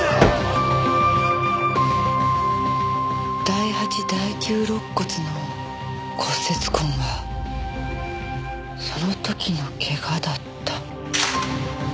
第８第９肋骨の骨折痕はその時の怪我だった。